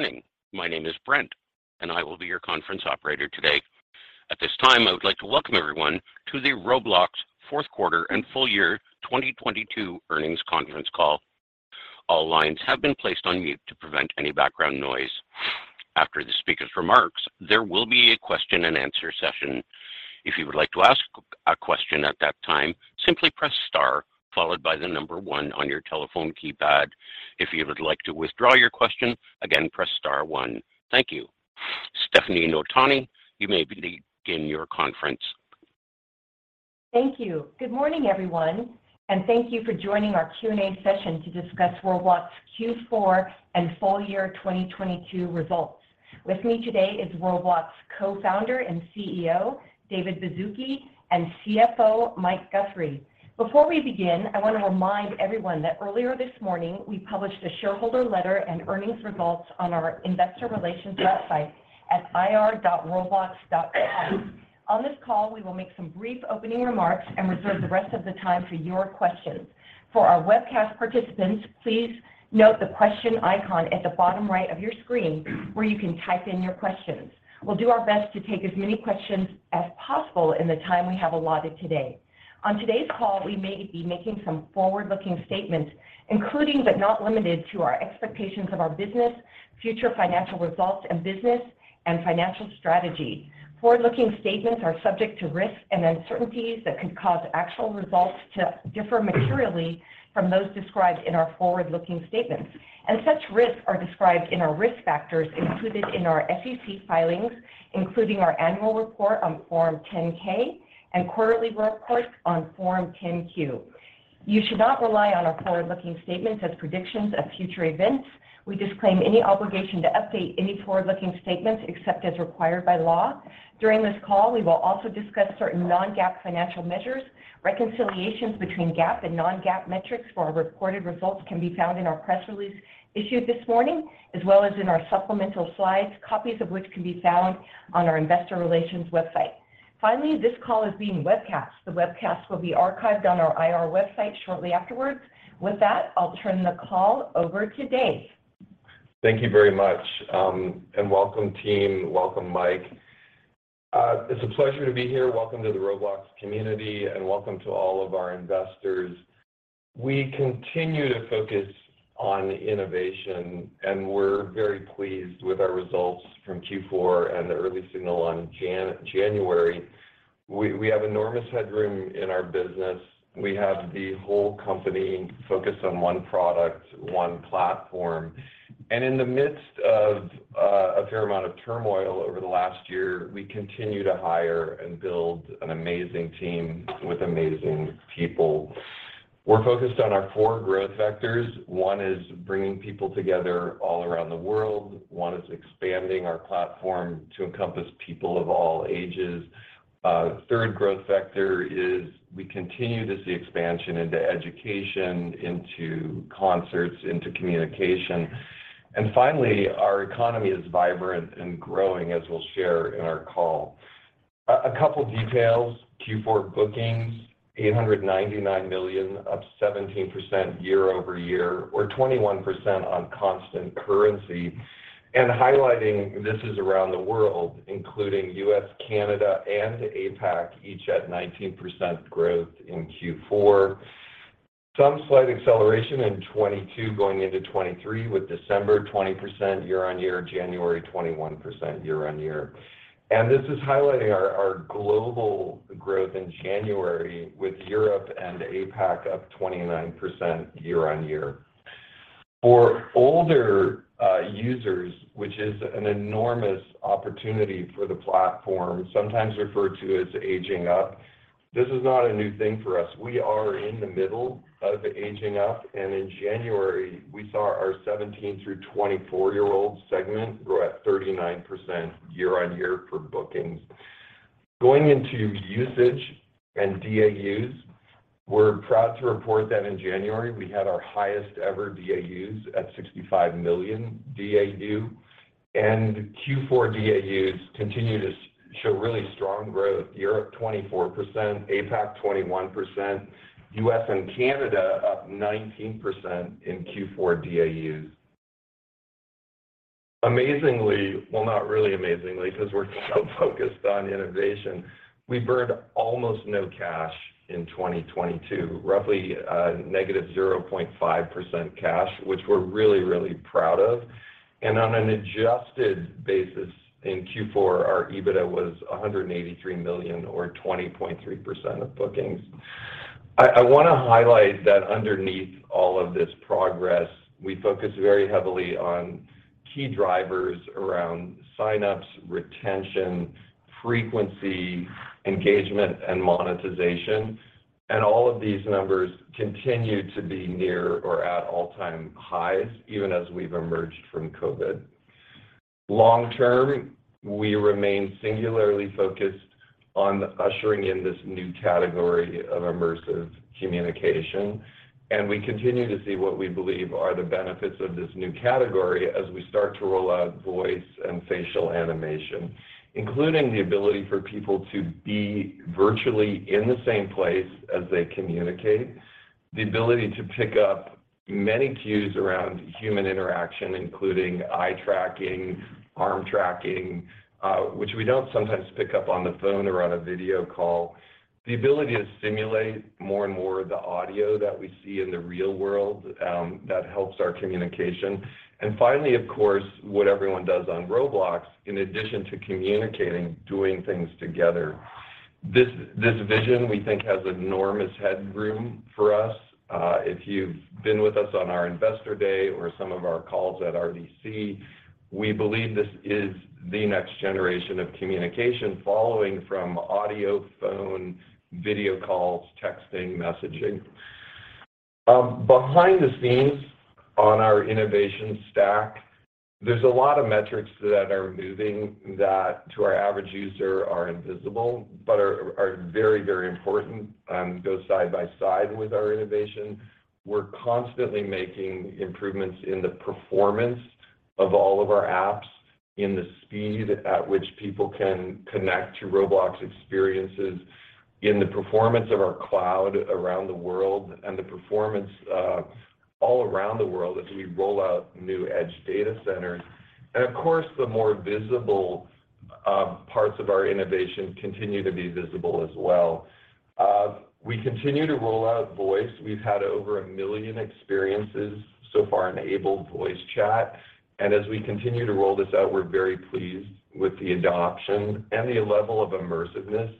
Morning. My name is Brent. I will be your conference operator today. At this time, I would like to welcome everyone to the Roblox Fourth Quarter and Full Year 2022 earnings conference call. All lines have been placed on mute to prevent any background noise. After the speaker's remarks, there will be a question and answer session. If you would like to ask a question at that time, simply press star followed by one on your telephone keypad. If you would like to withdraw your question, again, press star one. Thank you. Stefanie Notaney, you may begin your conference. Thank you. Good morning everyone, and thank you for joining our Q&A session to discuss Roblox's Q4 and full year 2022 results. With me today is Roblox co-founder and CEO, David Baszucki, and CFO, Mike Guthrie. Before we begin, I want to remind everyone that earlier this morning, we published a shareholder letter and earnings results on our investor relations website at ir.roblox.com. On this call, we will make some brief opening remarks and reserve the rest of the time for your questions. For our webcast participants, please note the question icon at the bottom right of your screen where you can type in your questions. We'll do our best to take as many questions as possible in the time we have allotted today. On today's call we may be making some forward-looking statements, including, but not limited to our expectations of our business, future financial results, and business and financial strategy. Forward-looking statements are subject to risks and uncertainties that could cause actual results to differ materially from those described in our forward-looking statements. Such risks are described in our risk factors included in our SEC filings, including our annual report on Form 10-K and quarterly reports on Form 10-Q. You should not rely on our forward-looking statements as predictions of future events. We disclaim any obligation to update any forward-looking statements except as required by law. During this call, we will also discuss certain non-GAAP financial measures. Reconciliations between GAAP and non-GAAP metrics for our reported results can be found in our press release issued this morning, as well as in our supplemental slides, copies of which can be found on our investor relations website. This call is being webcast. The webcast will be archived on our IR website shortly afterwards. With that, I'll turn the call over to Dave. Thank you very much, welcome team, welcome Mike. It's a pleasure to be here. Welcome to the Roblox community, welcome to all of our investors. We continue to focus on innovation, we're very pleased with our results from Q4 and the early signal on January. We have enormous headroom in our business. We have the whole company focused on one product, one platform. In the midst of a fair amount of turmoil over the last year, we continue to hire and build an amazing team with amazing people. We're focused on our four growth vectors. One is bringing people together all around the world. One is expanding our platform to encompass people of all ages. Third growth vector is we continue to see expansion into education, into concerts, into communication. Finally, our economy is vibrant and growing, as we'll share in our call. A couple details. Q4 bookings, $899 million, up 17% year-over-year, or 21% on constant currency. Highlighting, this is around the world including U.S., Canada, and APAC, each at 19% growth in Q4. Some slight acceleration in 2022 going into 2023, with December 20% year-over-year, January 21% year-over-year. This is highlighting our global growth in January, with Europe and APAC up 29% year-over-year. For older users, which is an enormous opportunity for the platform, sometimes referred to as aging up, this is not a new thing for us. We are in the middle of aging up. In January, we saw our 17 through 24-year-old segment grow at 39% year-over-year for bookings. Going into usage and DAUs, we're proud to report that in January, we had our highest ever DAUs at 65 million DAU. Q4 DAUs continue to show really strong growth. Europe 24%, APAC 21%, U.S. and Canada up 19% in Q4 DAUs. Amazingly, well not really amazingly because we're so focused on innovation, we burned almost no cash in 2022, roughly negative 0.5% cash, which we're really, really proud of. On an adjusted basis in Q4, our EBITDA was $183 million or 20.3% of bookings. I wanna highlight that underneath all of this progress, we focus very heavily on key drivers around sign-ups, retention, frequency, engagement, and monetization. All of these numbers continue to be near or at all-time highs, even as we've emerged from COVID. Long term, we remain singularly focused on ushering in this new category of immersive communication. We continue to see what we believe are the benefits of this new category as we start to roll out voice and facial animation, including the ability for people to be virtually in the same place as they communicate, the ability to pick up many cues around human interaction, including eye tracking, arm tracking, which we don't sometimes pick up on the phone or on a video call. The ability to simulate more and more of the audio that we see in the real world that helps our communication. Finally, of course what everyone does on Roblox, in addition to communicating, doing things together. This vision, we think has enormous headroom for us. If you've been with us on our investor day or some of our calls at RDC, we believe this is the next generation of communication, following from audio, phone, video calls, texting, messaging. Behind the scenes on our innovation stack, there's a lot of metrics that are moving that to our average user are invisible, but are very, very important, go side by side with our innovation. We're constantly making improvements in the performance of all of our apps, in the speed at which people can connect to Roblox experiences, in the performance of our cloud around the world, and the performance, all around the world as we roll out new edge data centers. Of course, the more visible parts of our innovation continue to be visible as well. We continue to roll out voice. We've had over a million experiences so far enabled voice chat. As we continue to roll this out, we're very pleased with the adoption and the level of immersiveness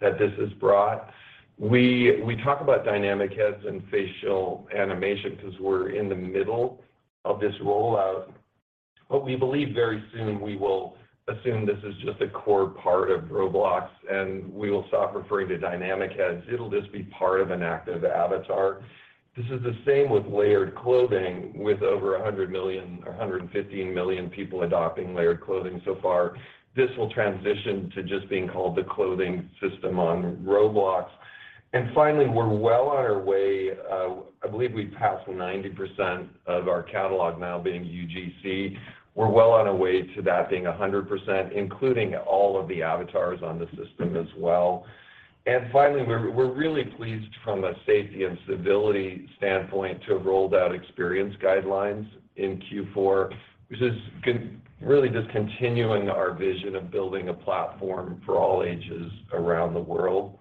that this has brought. We talk about Dynamic Heads and facial animation because we're in the middle of this rollout. We believe very soon we will assume this is just a core part of Roblox, and we will stop referring to Dynamic Heads. It'll just be part of an active avatar. This is the same with Layered Clothing, with over 100 million or 115 million people adopting Layered Clothing so far. This will transition to just being called the clothing system on Roblox. We're well on our way, I believe we've passed 90% of our catalog now being UGC. We're well on our way to that being 100%, including all of the avatars on the system as well. We're really pleased from a safety and stability standpoint to have rolled out Experience Guidelines in Q4, which is really just continuing our vision of building a platform for all ages around the world.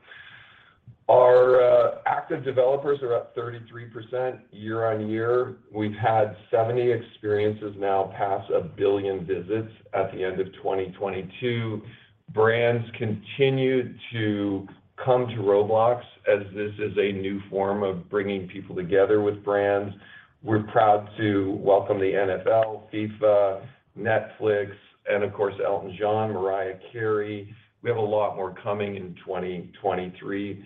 Our active developers are up 33% year-over-year. We've had 70 experiences now pass a billion visits at the end of 2022. Brands continue to come to Roblox as this is a new form of bringing people together with brands. We're proud to welcome the NFL, FIFA, Netflix, and of course, Elton John, Mariah Carey. We have a lot more coming in 2023.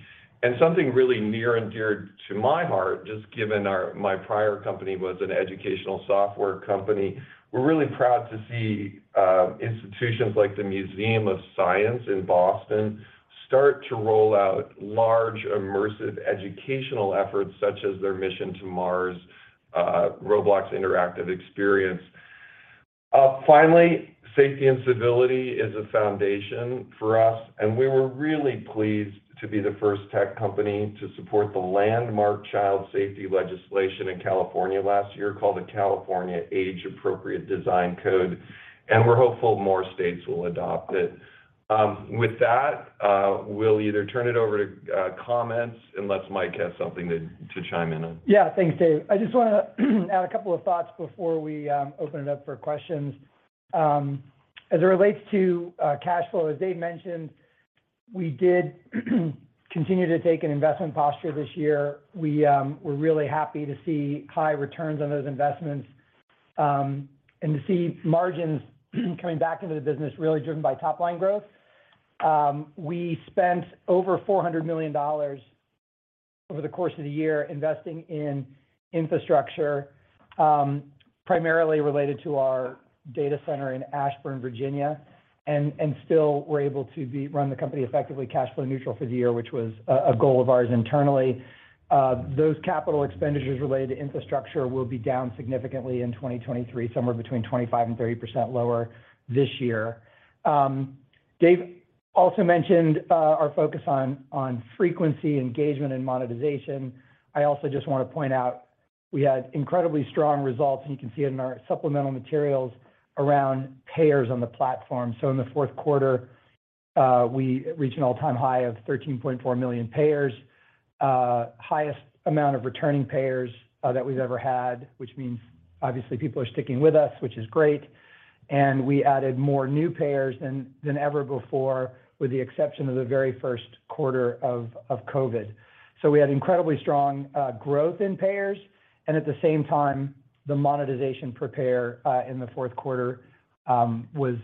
Something really near and dear to my heart, just given my prior company was an educational software company, we're really proud to see institutions like the Museum of Science in Boston start to roll out large, immersive educational efforts, such as their Mission to Mars, Roblox interactive experience. Finally, safety and stability is a foundation for us and we were really pleased to be the first tech company to support the landmark child safety legislation in California last year, called the California Age-Appropriate Design Code, and we're hopeful more states will adopt it. With that, we'll either turn it over to comments, unless Mike has something to chime in on. Yeah. Thanks, Dave. I just wanna add a couple of thoughts before we open it up for questions. As it relates to cash flow, as Dave mentioned, we did continue to take an investment posture this year. We're really happy to see high returns on those investments and to see margins coming back into the business, really driven by top line growth. We spent over $400 million over the course of the year investing in infrastructure, primarily related to our data center in Ashburn, Virginia, and still were able to run the company effectively cash flow neutral for the year, which was a goal of ours internally. Those CapEx related to infrastructure will be down significantly in 2023, somewhere between 25% and 30% lower this year. Dave also mentioned our focus on frequency, engagement, and monetization. I also just wanna point out, we had incredibly strong results and you can see it in our supplemental materials, around payers on the platform. In the fourth quarter, we reached an all-time high of $13.4 million payers, highest amount of returning payers that we've ever had, which means obviously people are sticking with us, which is great. We added more new payers than ever before, with the exception of the very first quarter of COVID. We had incredibly strong growth in payers, and at the same time, the monetization per payer in the fourth quarter was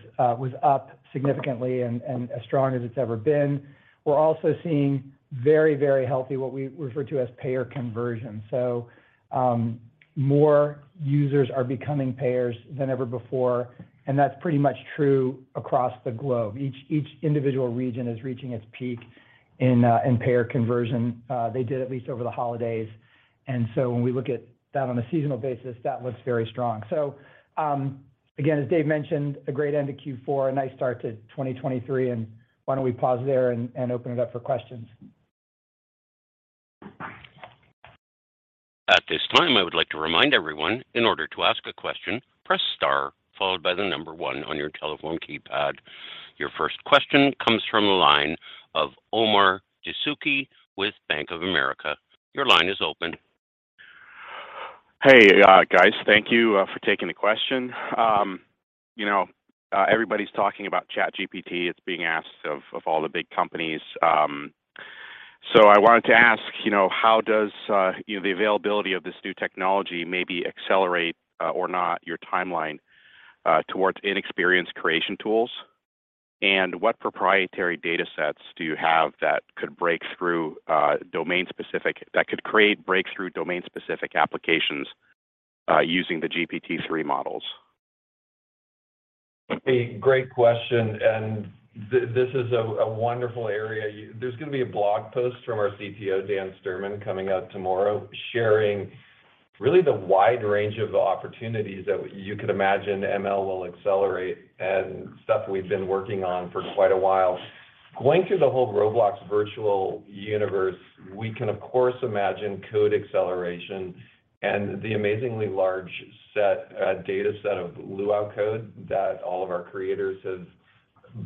up significantly and as strong as it's ever been. We're also seeing very healthy, what we refer to as payer conversion. More users are becoming payers than ever before, and that's pretty much true across the globe. Each individual region is reaching its peak in payer conversion, they did at least over the holidays. When we look at that on a seasonal basis, that looks very strong. Again, as Dave mentioned, a great end to Q4, a nice start to 2023, why don't we pause there and open it up for questions? At this time, I would like to remind everyone, in order to ask a question, press star followed by the number one on your telephone keypad. Your first question comes from the line of Omar Dessouky with Bank of America. Your line is open. Hey, guys. Thank you for taking the question. You know, everybody's talking about ChatGPT. It's being asked of all the big companies. I wanted to ask, you know, how does, you know, the availability of this new technology maybe accelerate or not your timeline towards inexperienced creation tools? What proprietary data sets do you have that could create breakthrough domain-specific applications using the GPT-3 models? A great question. This is a wonderful area. There's gonna be a blog post from our CTO, Dan Sturman, coming out tomorrow, sharing really the wide range of opportunities that you could imagine ML will accelerate and stuff we've been working on for quite a while. Going through the whole Roblox virtual universe, we can, of course, imagine code acceleration and the amazingly large set, data set of Lua code that all of our creators have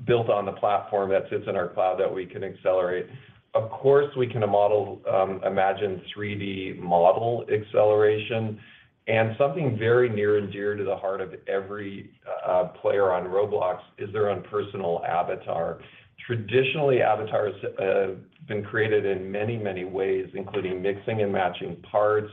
built on the platform that sits in our cloud that we can accelerate. Of course, we can model, imagine 3D model acceleration. Something very near and dear to the heart of every player on Roblox is their own personal avatar. Traditionally, avatars have been created in many, many ways, including mixing and matching parts,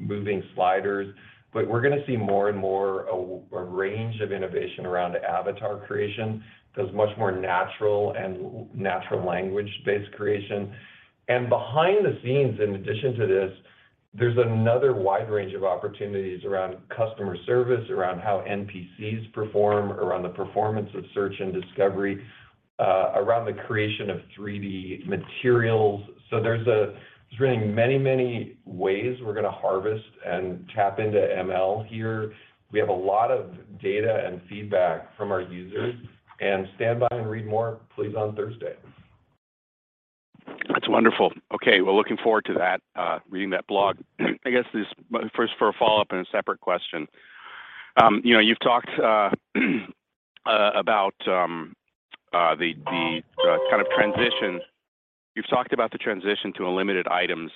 moving sliders. We're gonna see more and more a range of innovation around avatar creation, those much more natural and natural language-based creation. Behind the scenes, in addition to this, there's another wide range of opportunities around customer service, around how NPCs perform, around the performance of search and discovery, around the creation of 3D materials. There's really many, many ways we're gonna harvest and tap into ML here. We have a lot of data and feedback from our users. Stand by and read more, please, on Thursday. That's wonderful. Okay, we're looking forward to that, reading that blog. I guess First for a follow-up and a separate question. you know, you've talked about the kind of transition. You've talked about the transition to a limited items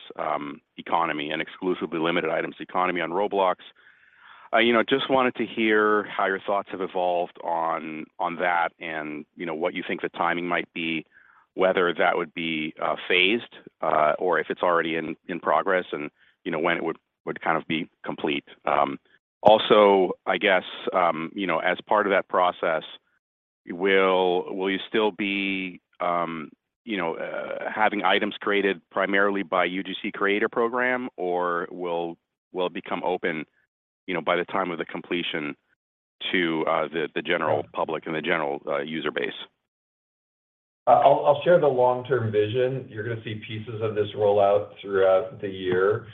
economy and exclusively limited items economy on Roblox. you know, just wanted to hear how your thoughts have evolved on that and you know, what you think the timing might be, whether that would be phased or if it's already in progress and you know, when it would kind of be complete. Also, I guess, you know, as part of that process, will you still be, you know, having items created primarily by UGC creator program or will it become open, you know, by the time of the completion to the general public and the general user base? I'll share the long-term vision. You're gonna see pieces of this rollout throughout the year.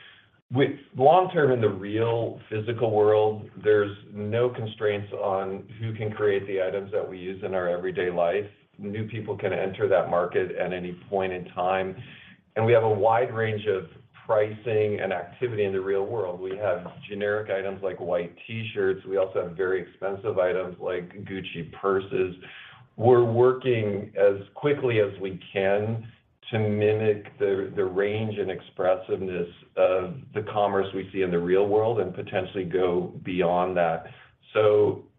With long-term in the real physical world, there's no constraints on who can create the items that we use in our everyday life. New people can enter that market at any point in time. We have a wide range of pricing and activity in the real world. We have generic items like white T-shirts. We also have very expensive items like Gucci purses. We're working as quickly as we can to mimic the range and expressiveness of the commerce we see in the real world and potentially go beyond that.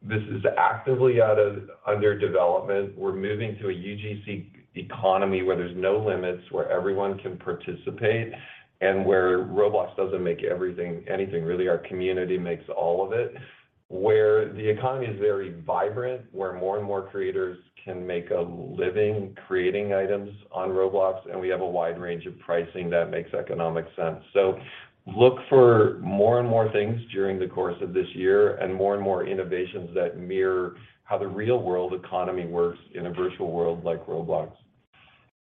This is actively under development. We're moving to a UGC economy where there's no limits, where everyone can participate, and where Roblox doesn't make anything really. Our community makes all of it. Where the economy is very vibrant, where more and more creators can make a living creating items on Roblox, and we have a wide range of pricing that makes economic sense. Look for more and more things during the course of this year and more and more innovations that mirror how the real-world economy works in a virtual world like Roblox.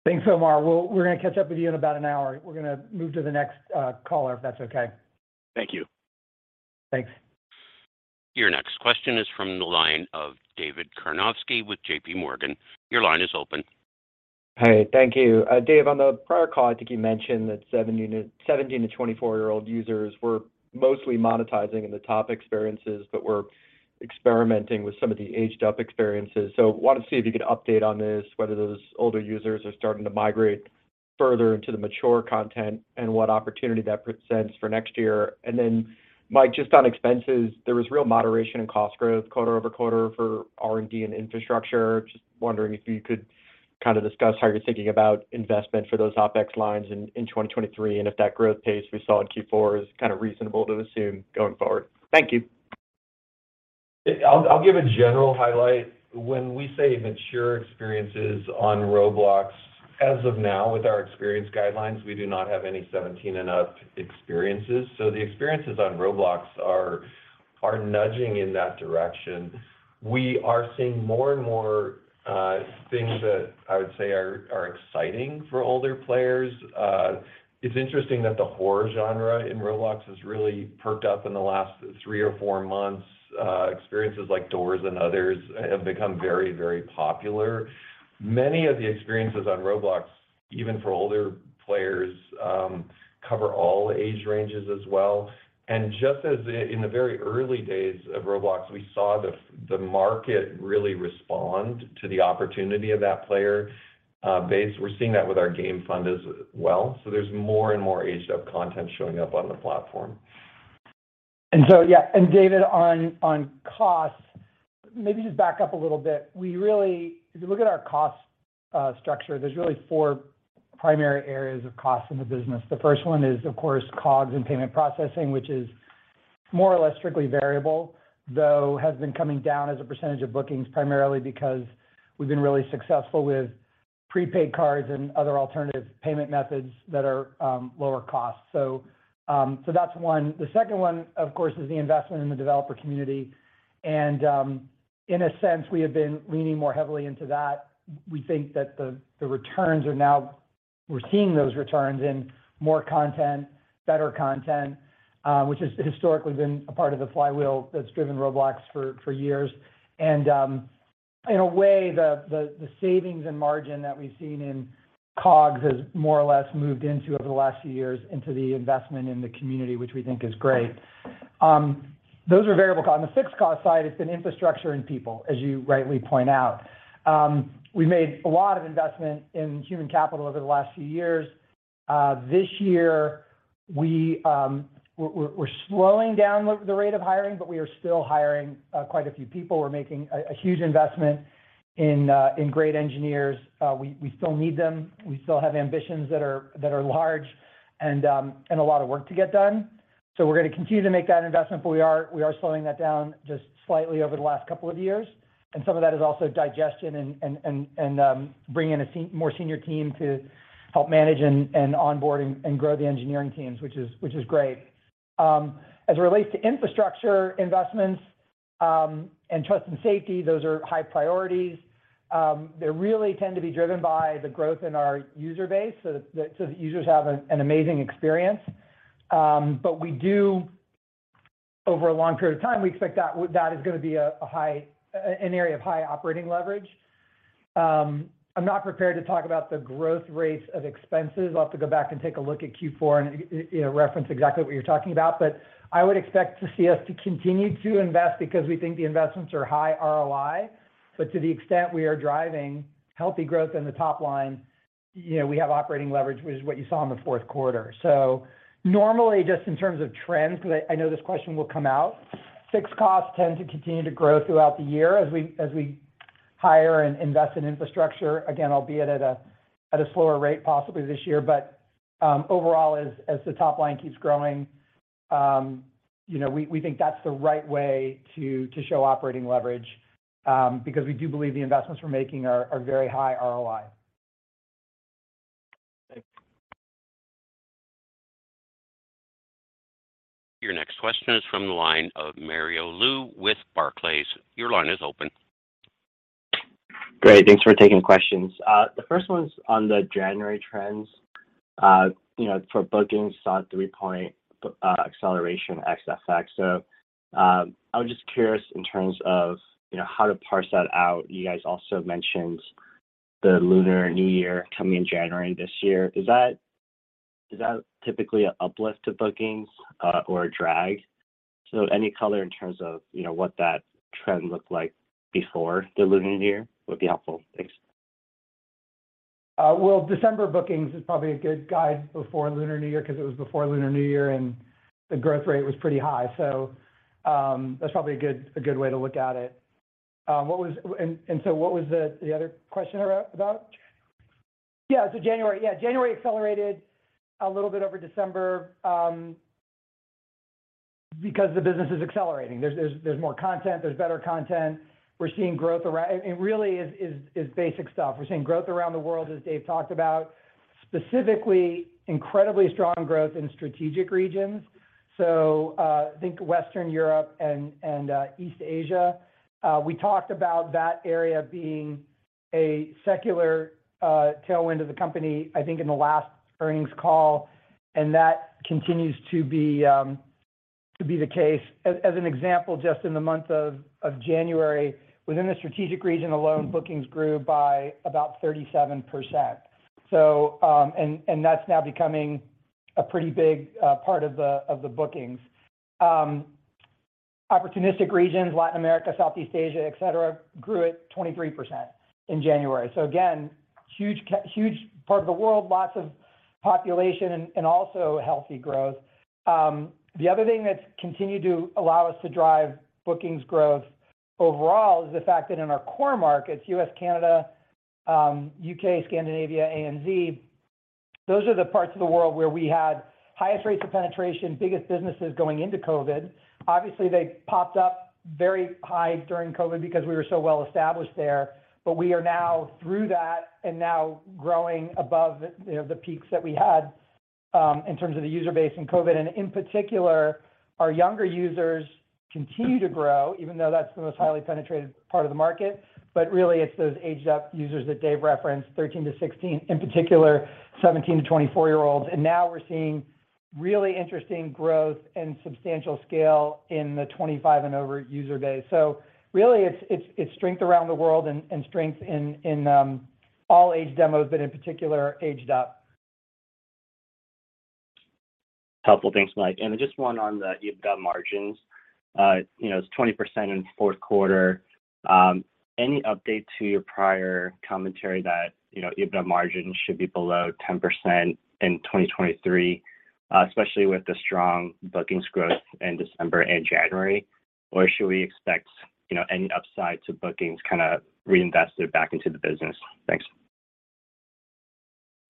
Thanks, Omar. We're gonna catch up with you in about an hour. We're gonna move to the next caller, if that's okay? Thank you. Thanks. Your next question is from the line of David Karnovsky with JPMorgan. Your line is open. Thank you. Dave, on the prior call, I think you mentioned that 17-24 year old users were mostly monetizing in the top experiences but were experimenting with some of the aged-up experiences. Wanna see if you could update on this, whether those older users are starting to migrate further into the mature content and what opportunity that presents for next year. Mike, just on expenses, there was real moderation in cost growth quarter-over-quarter for R&D and infrastructure. Just wondering if you could kind of discuss how you're thinking about investment for those OpEx lines in 2023, and if that growth pace we saw in Q4 is kinda reasonable to assume going forward. Thank you. I'll give a general highlight. When we say mature experiences on Roblox, as of now, with our Experience Guidelines, we do not have any 17 and up experiences. The experiences on Roblox are nudging in that direction. We are seeing more and more things that I would say are exciting for older players. It's interesting that the horror genre in Roblox has really perked up in the last three or four months. Experiences like DOORS and others have become very popular. Many of the experiences on Roblox even for older players cover all age ranges as well. Just as in the very early days of Roblox, we saw the market really respond to the opportunity of that player base. We're seeing that with our game fund as well. There's more and more aged-up content showing up on the platform. Yeah, David, on costs, maybe just back up a little bit. If you look at our cost structure, there's really four primary areas of cost in the business. The first one is, of course, COGS and payment processing, which is more or less strictly variable, though has been coming down as a percentage of bookings, primarily because we've been really successful with prepaid cards and other alternative payment methods that are lower cost. That's one. The second one, of course, is the investment in the developer community. In a sense, we have been leaning more heavily into that. We think that the returns, we're seeing those returns in more content, better content, which has historically been a part of the flywheel that's driven Roblox for years. In a way, the savings and margin that we've seen in COGS has more or less moved into, over the last few years, into the investment in the community, which we think is great. Those are variable costs. On the fixed cost side, it's been infrastructure and people, as you rightly point out. We made a lot of investment in human capital over the last few years. This year, we're slowing down the rate of hiring, but we are still hiring quite a few people. We're making a huge investment in great engineers. We still need them. We still have ambitions that are large and a lot of work to get done. We're gonna continue to make that investment, but we are slowing that down just slightly over the last couple of years. Some of that is also digestion and bringing in a more senior team to help manage and onboard and grow the engineering teams, which is great. As it relates to infrastructure investments, and trust and safety, those are high priorities. They really tend to be driven by the growth in our user base so that users have an amazing experience. We do, over a long period of time, we expect that is gonna be an area of high operating leverage. I'm not prepared to talk about the growth rates of expenses. I'll have to go back and take a look at Q4 and you know, reference exactly what you're talking about. I would expect to see us to continue to invest because we think the investments are high ROI. To the extent we are driving healthy growth in the top line, you know, we have operating leverage which is what you saw in the fourth quarter. Normally, just in terms of trends, 'cause I know this question will come out, fixed costs tend to continue to grow throughout the year as we hire and invest in infrastructure. Again, albeit at a slower rate possibly this year. Overall, as the top line keeps growing, you know, we think that's the right way to show operating leverage, because we do believe the investments we're making are very high ROI. Thanks. Your next question is from the line of Mario Lu with Barclays. Your line is open. Great. Thanks for taking questions. The first one's on the January trends. you know, for bookings, saw three point Acceleration X effect. I was just curious in terms of, you know, how to parse that out. You guys also mentioned the Lunar New Year coming in January this year. Is that typically an uplift to bookings or a drag? Any color in terms of, you know, what that trend looked like before the Lunar New Year would be helpful. Thanks. Well, December bookings is probably a good guide before Lunar New Year because it was before Lunar New Year, and the growth rate was pretty high. That's probably a good way to look at it. What was the other question about? Yeah. January. Yeah, January accelerated a little bit over December because the business is accelerating. There's more content, there's better content. We're seeing growth. It really is basic stuff. We're seeing growth around the world, as Dave talked about, specifically incredibly strong growth in strategic regions. Think Western Europe and East Asia. We talked about that area being a secular tailwind of the company, I think, in the last earnings call, and that continues to be the case. As an example, just in the month of January, within the strategic region alone, bookings grew by about 37%. That's now becoming a pretty big part of the bookings. Opportunistic regions, Latin America, Southeast Asia, et cetera, grew at 23% in January. Again, huge part of the world, lots of population and also healthy growth. The other thing that's continued to allow us to drive bookings growth overall is the fact that in our core markets, U.S., Canada, U.K., Scandinavia, ANZ, those are the parts of the world where we had highest rates of penetration, biggest businesses going into COVID. Obviously, they popped up very high during COVID because we were so well established there. We are now through that and now growing above the, you know, the peaks that we had in terms of the user base in COVID. In particular, our younger users continue to grow, even though that's the most highly penetrated part of the market. Really, it's those aged-up users that Dave referenced, 13-16, in particular 17-24 year olds. Now we're seeing really interesting growth and substantial scale in the 25 and over user base. Really, it's strength around the world and strength in all age demos, but in particular aged up. Helpful. Thanks, Mike. Just one on the EBITDA margins. you know, it's 20% in the fourth quarter. Any update to your prior commentary that, you know, EBITDA margins should be below 10% in 2023, especially with the strong bookings growth in December and January? Should we expect, you know, any upside to bookings kind of reinvested back into the business? Thanks.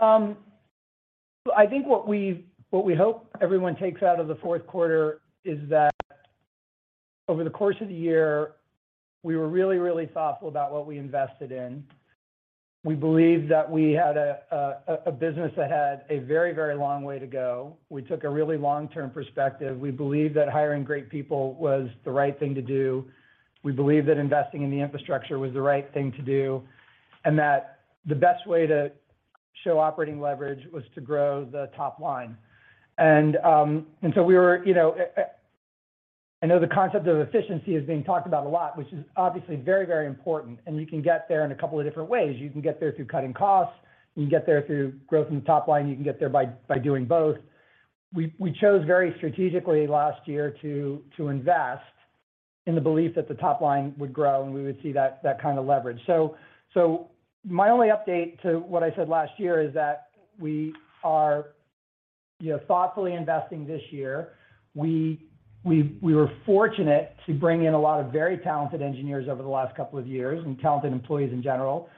I think what we hope everyone takes out of the fourth quarter is that over the course of the year, we were really, really thoughtful about what we invested in. We believed that we had a business that had a very, very long way to go. We took a really long-term perspective. We believed that hiring great people was the right thing to do. We believed that investing in the infrastructure was the right thing to do, and that the best way to show operating leverage was to grow the top line. I know the concept of efficiency is being talked about a lot, which is obviously very, very important, and you can get there in a couple of different ways. You can get there through cutting costs, you can get there through growth in the top line, you can get there by doing both. We chose very strategically last year to invest in the belief that the top line would grow, and we would see that kind of leverage. My only update to what I said last year is that we are, you know, thoughtfully investing this year. We were fortunate to bring in a lot of very talented engineers over the last couple of years, and talented employees in general.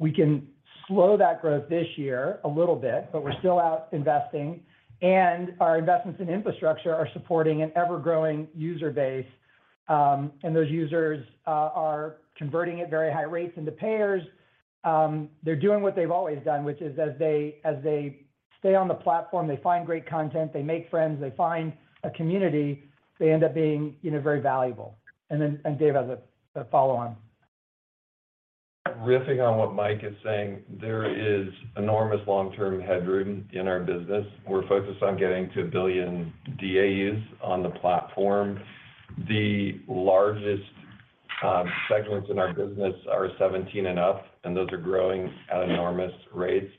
We can slow that growth this year a little bit, but we're still out investing, and our investments in infrastructure are supporting an ever-growing user base. Those users are converting at very high rates into payers. They're doing what they've always done, which is as they, as they stay on the platform, they find great content, they make friends, they find a community, they end up being, you know, very valuable. Dave has a follow on. Riffing on what Mike is saying, there is enormous long-term headroom in our business. We're focused on getting to 1 billion DAUs on the platform. The largest segments in our business are 17 and up, those are growing at enormous rates.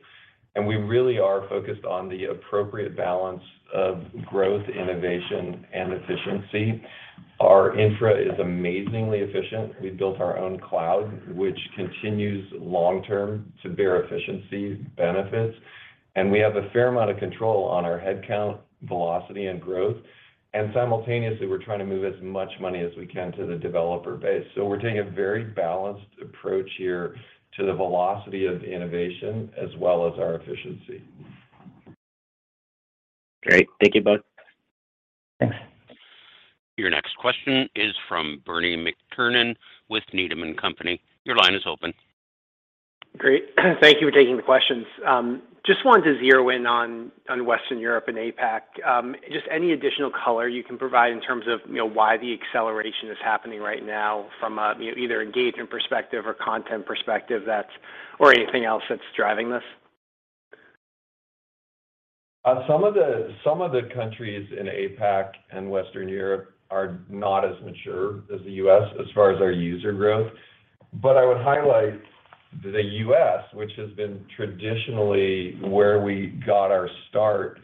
We really are focused on the appropriate balance of growth, innovation, and efficiency. Our infra is amazingly efficient. We built our own cloud, which continues long term to bear efficiency benefits. We have a fair amount of control on our head count, velocity, and growth. Simultaneously, we're trying to move as much money as we can to the developer base. We're taking a very balanced approach here to the velocity of the innovation as well as our efficiency. Great. Thank you both. Thanks. Your next question is from Bernie McTernan with Needham & Company. Your line is open. Great. Thank you for taking the questions. Just wanted to zero in on Western Europe and APAC. Just any additional color you can provide in terms of, you know, why the acceleration is happening right now from a, you know, either engagement perspective or content perspective or anything else that's driving this? Some of the countries in APAC and Western Europe are not as mature as the U.S. as far as our user growth. I would highlight the U.S., which has been traditionally where we got our start,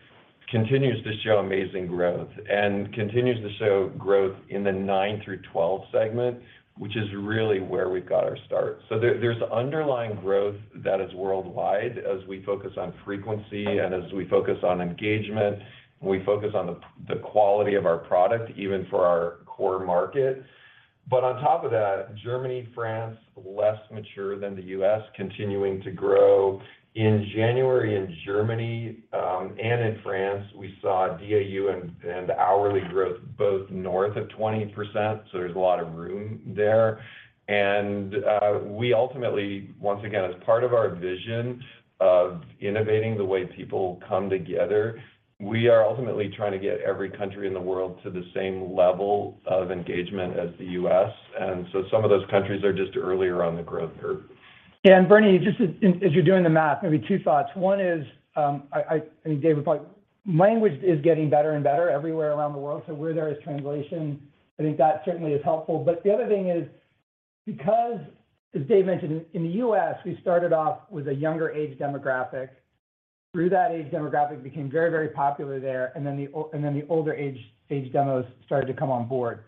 continues to show amazing growth and continues to show growth in the nine through 12 segment, which is really where we got our start. There's underlying growth that is worldwide as we focus on frequency and as we focus on engagement, and we focus on the quality of our product, even for our core market. On top of that, Germany, France, less mature than the U.S., continuing to grow. In January, in Germany, and in France, we saw DAU and hourly growth both north of 20%, so there's a lot of room there. We ultimately, once again, as part of our vision of innovating the way people come together, we are ultimately trying to get every country in the world to the same level of engagement as the U.S. Some of those countries are just earlier on the growth curve. Bernie, just as you're doing the math, maybe two thoughts. One is, I think Dave would probably language is getting better and better everywhere around the world, so where there is translation, I think that certainly is helpful. The other thing is because, as Dave mentioned, in the U.S., we started off with a younger age demographic. Through that age demographic became very popular there, and then the older age demos started to come on board.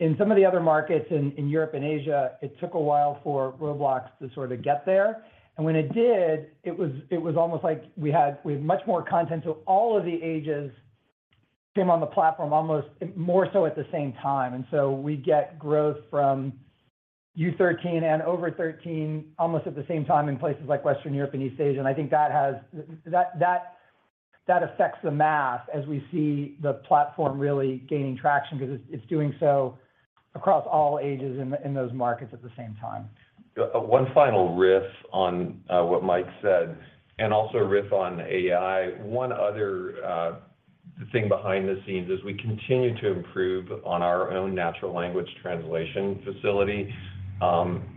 In some of the other markets in Europe and Asia, it took a while for Roblox to sort of get there. When it did, it was almost like we had much more content. All of the ages came on the platform almost more so at the same time. We get growth from U13 and over 13 almost at the same time in places like Western Europe and East Asia. I think that has, that affects the math as we see the platform really gaining traction because it's doing so across all ages in those markets at the same time. One final riff on what Mike said, and also a riff on AI. The thing behind the scenes is we continue to improve on our own natural language translation facility,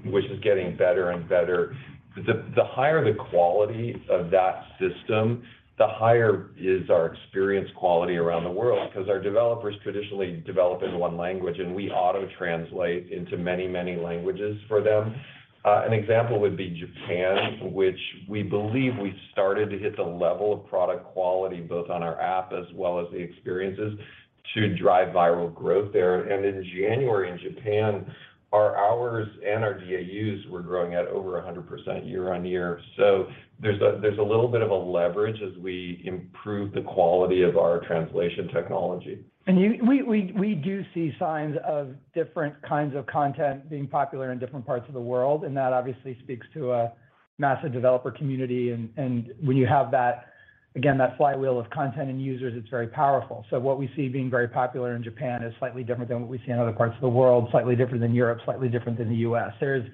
which is getting better and better. The higher the quality of that system, the higher is our experience quality around the world, because our developers traditionally develop in one language, and we auto-translate into many, many languages for them. An example would be Japan, which we believe we started to hit the level of product quality, both on our app as well as the experiences to drive viral growth there. In January in Japan, our hours and our DAUs were growing at over 100% year-on-year. There's a little bit of a leverage as we improve the quality of our translation technology. We do see signs of different kinds of content being popular in different parts of the world, and that obviously speaks to a massive developer community. When you have that, again, that flywheel of content and users, it's very powerful. What we see being very popular in Japan is slightly different than what we see in other parts of the world, slightly different than Europe, slightly different than the U.S. There's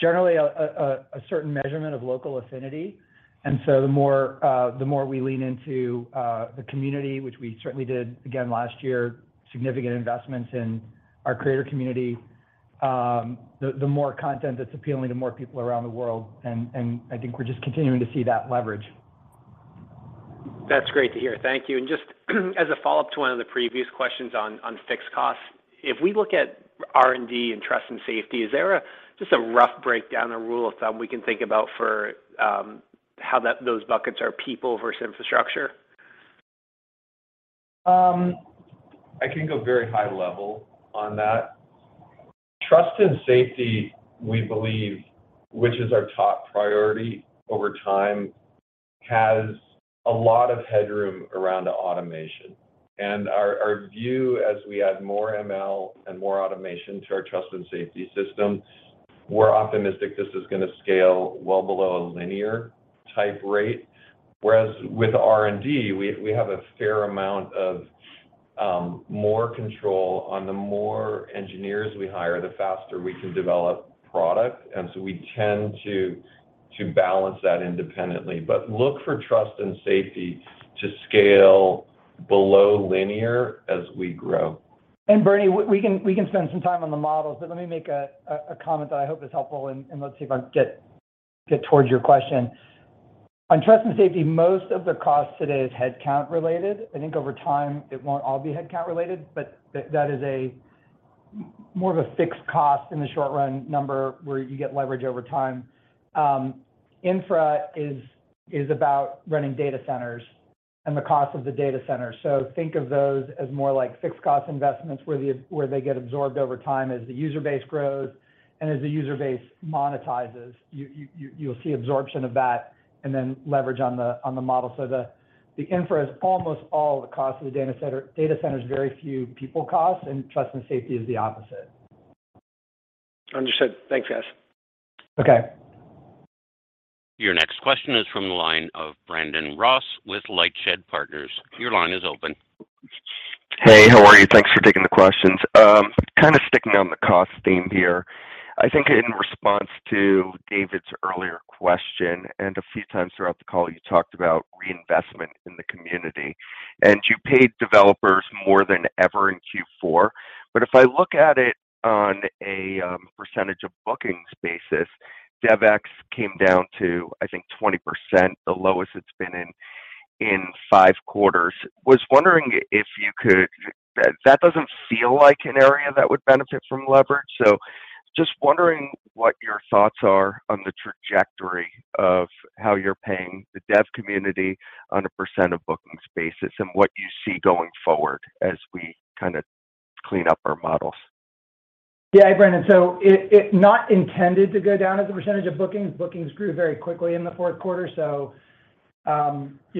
generally a certain measurement of local affinity. The more we lean into the community, which we certainly did again last year, significant investments in our creator community, the more content that's appealing to more people around the world, I think we're just continuing to see that leverage. That's great to hear. Thank you. Just as a follow-up to one of the previous questions on fixed costs, if we look at R&D and trust and safety, is there just a rough breakdown or rule of thumb we can think about for how those buckets are people versus infrastructure? I can go very high level on that. Trust and safety, we believe, which is our top priority over time, has a lot of headroom around automation. Our view as we add more ML and more automation to our trust and safety system, we're optimistic this is gonna scale well below a linear type rate. Whereas with R&D, we have a fair amount of more control on the more engineers we hire, the faster we can develop product. We tend to balance that independently. Look for trust and safety to scale below linear as we grow. Bernie, we can spend some time on the models, but let me make a comment that I hope is helpful and let's see if I can get towards your question. On trust and safety, most of the cost today is headcount related. I think over time, it won't all be headcount related, but that is a more of a fixed cost in the short run number where you get leverage over time. Infra is about running data centers and the cost of the data center. Think of those as more like fixed cost investments where they get absorbed over time as the user base grows and as the user base monetizes. You'll see absorption of that and then leverage on the model. The infra is almost all the cost of the data center. Data center is very few people cost, and trust and safety is the opposite. Understood. Thanks, guys. Okay. Your next question is from the line of Brandon Ross with LightShed Partners. Your line is open. Hey, how are you? Thanks for taking the questions. Kind of sticking on the cost theme here. I think in response to David's earlier question, and a few times throughout the call, you talked about reinvestment in the community, and you paid developers more than ever in Q4. If I look at it on a percentage of bookings basis, DevEx came down to, I think, 20%, the lowest it's been in five quarters. Was wondering if you could. That doesn't feel like an area that would benefit from leverage. Just wondering what your thoughts are on the trajectory of how you're paying the dev community on a percent of bookings basis and what you see going forward as we kinda clean up our models. Yeah. Brandon, it not intended to go down as a percentage of bookings. Bookings grew very quickly in the fourth quarter. You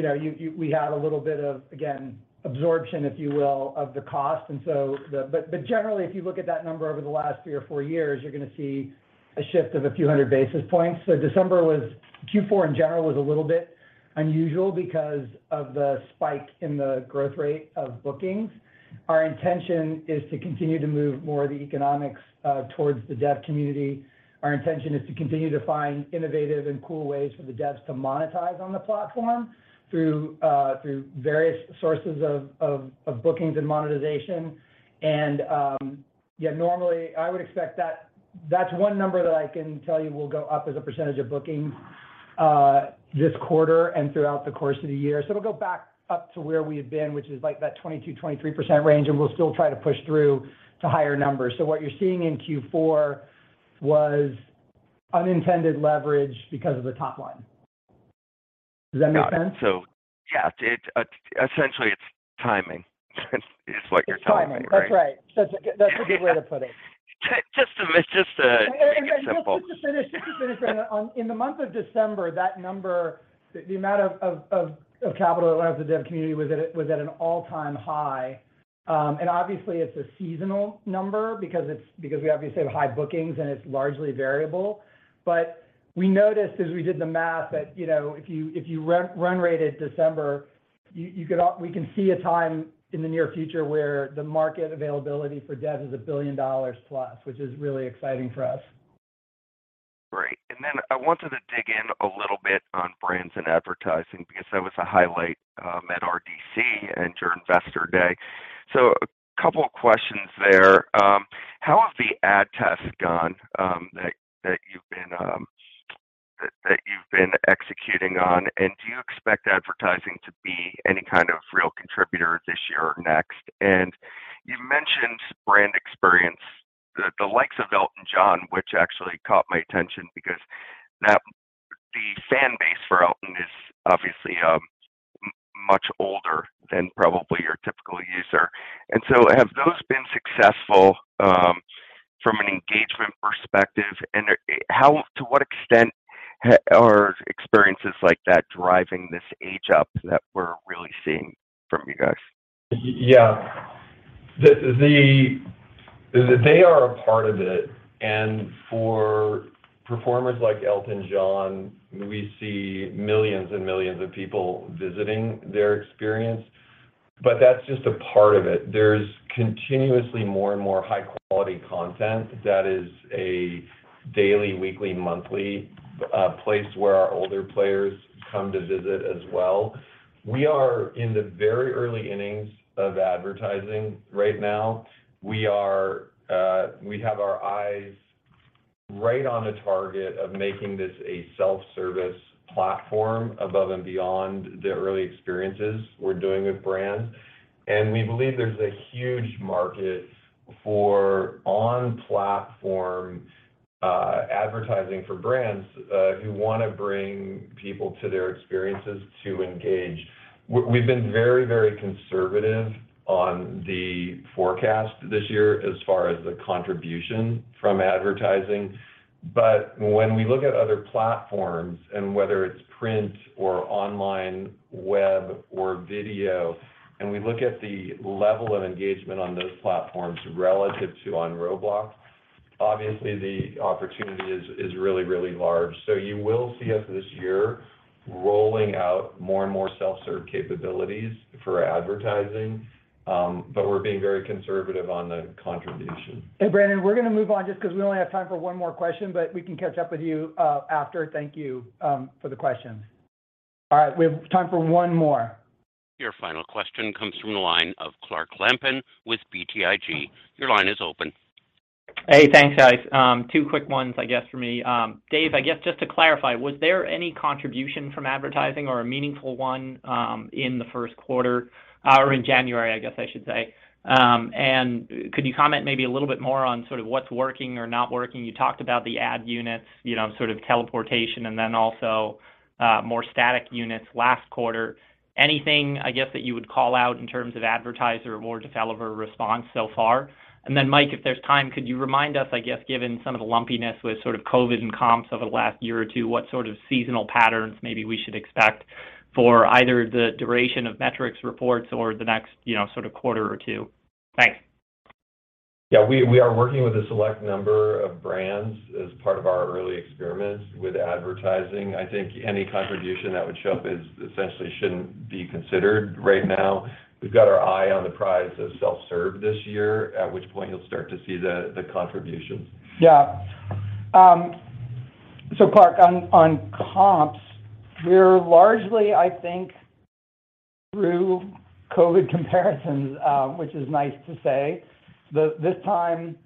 know, we had a little bit of, again, absorption, if you will, of the cost. But generally, if you look at that number over the last three or four years, you're gonna see a shift of a few 100 basis points. Q4 in general was a little bit unusual because of the spike in the growth rate of bookings. Our intention is to continue to move more of the economics towards the dev community. Our intention is to continue to find innovative and cool ways for the devs to monetize on the platform through various sources of bookings and monetization. Yeah, normally, I would expect that's one number that I can tell you will go up as a percentage of bookings this quarter and throughout the course of the year. It'll go back up to where we had been, which is like that 22%-23% range, and we'll still try to push through to higher numbers. What you're seeing in Q4 was unintended leverage because of the top line. Does that make sense? Got it. Yeah, essentially, it's timing is what you're telling me, right? It's timing. That's right. That's a good way to put it. It's just to make it simple. Just to finish, Brandon. In the month of December, that number, the amount of capital that allows the dev community was at an all-time high. Obviously, it's a seasonal number because we obviously have high bookings, and it's largely variable. We noticed as we did the math that, you know, if you run rated December, we can see a time in the near future where the market availability for devs is $1 billion+, which is really exciting for us. Great. I wanted to dig in a little bit on brands and advertising because that was a highlight at RDC and your Investor Day. A couple of questions there. How have the ad tests gone, that you've been executing on? Do you expect advertising to be any kind of real contributor this year or next? You mentioned brand experience, the likes of Elton John, which actually caught my attention because the fan base for Elton is obviously, much older than probably your typical user. Have those been successful, from an engagement perspective? How to what extent are experiences like that driving this age up that we're really seeing from you guys? Yeah. They are a part of it, and for performers like Elton John, we see millions and millions of people visiting their experience. That's just a part of it. There's continuously more and more high-quality content that is a daily, weekly, monthly place where our older players come to visit as well. We are in the very early innings of advertising right now. We have our eyes right on the target of making this a self-service platform above and beyond the early experiences we're doing with brands. We believe there's a huge market for on-platform advertising for brands who wanna bring people to their experiences to engage. We've been very, very conservative on the forecast this year as far as the contribution from advertising. When we look at other platforms, and whether it's print or online, web or video, and we look at the level of engagement on those platforms relative to on Roblox, obviously the opportunity is really, really large. You will see us this year rolling out more and more self-serve capabilities for advertising, but we're being very conservative on the contribution. Hey, Brandon, we're gonna move on just 'cause we only have time for one more question. We can catch up with you after. Thank you for the questions. All right, we have time for one more. Your final question comes from the line of Clark Lampen with BTIG. Your line is open. Hey, thanks, guys. Two quick ones, I guess for me. Dave, I guess just to clarify, was there any contribution from advertising or a meaningful one in the first quarter, or in January, I guess I should say? Could you comment maybe a little bit more on sort of what's working or not working? You talked about the ad units, you know, sort of teleportation and then also more static units last quarter. Anything, I guess, that you would call out in terms of advertiser or developer response so far? Mike, if there's time, could you remind us, I guess, given some of the lumpiness with sort of COVID and comps over the last year or two, what sort of seasonal patterns maybe we should expect for either the duration of metrics reports or the next, you know, sort of quarter or two? Thanks. Yeah. We are working with a select number of brands as part of our early experiments with advertising. I think any contribution that would show up is essentially shouldn't be considered right now. We've got our eye on the prize of self-serve this year, at which point you'll start to see the contributions. Yeah. Clark, on comps, we're largely, I think, through COVID comparisons, which is nice to say. This time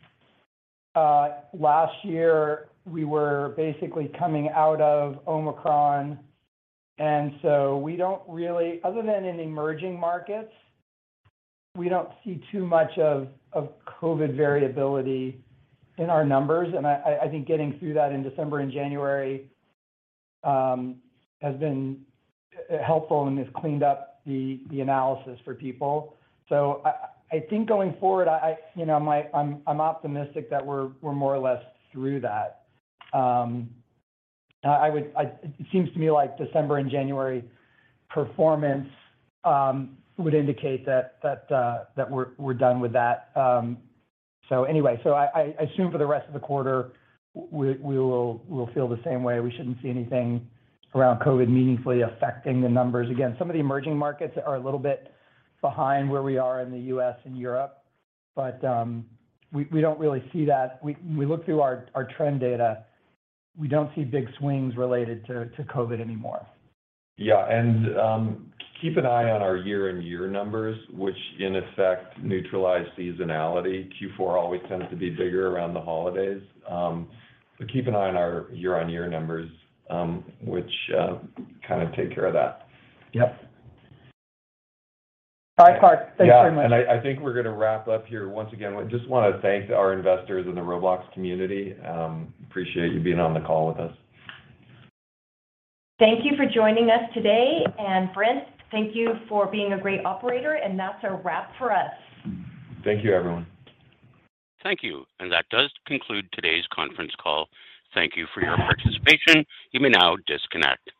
last year, we were basically coming out of Omicron. Other than in emerging markets, we don't see too much of COVID variability in our numbers. I think getting through that in December and January has been helpful and has cleaned up the analysis for people. I think going forward, I, you know, I'm optimistic that we're more or less through that. It seems to me like December and January performance would indicate that we're done with that. I assume for the rest of the quarter, we'll feel the same way. We shouldn't see anything around COVID meaningfully affecting the numbers. Some of the emerging markets are a little bit behind where we are in the U.S. and Europe, but we don't really see that. We look through our trend data. We don't see big swings related to COVID anymore. Yeah. Keep an eye on our year-on-year numbers, which in effect neutralize seasonality. Q4 always tends to be bigger around the holidays. Keep an eye on our year-on-year numbers, which, kind of take care of that. Yep. Bye, Clark. Thanks very much. Yeah. I think we're gonna wrap up here. Once again, we just wanna thank our investors in the Roblox community. Appreciate you being on the call with us. Thank you for joining us today. Brent, thank you for being a great operator. That's a wrap for us. Thank you, everyone. Thank you. That does conclude today's conference call. Thank you for your participation. You may now disconnect.